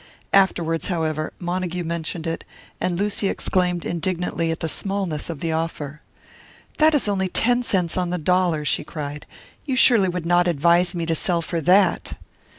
Afterwards, however, Montague mentioned it, and Lucy exclaimed indignantly at the smallness of the offer. "That is only ten cents on the dollar!" she cried. "You surely would not advise me to sell for that!"